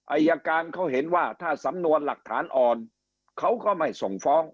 อายการเขาเห็นว่าถ้าสำนวนหลักฐานอ่อนเขาก็ไม่ส่งฟ้อง